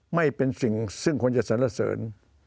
ไม่เป็นสิ่งซึ่งควรจะสรรเสริญ